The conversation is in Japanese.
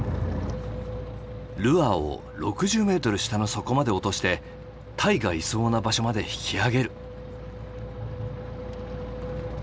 ルアーを６０メートル下の底まで落としてタイがいそうな場所まで引き上げる。